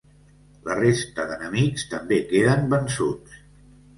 La resta d'enemics també queden vençuts.